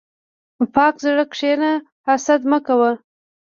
په پاک زړه کښېنه، حسد مه کوه.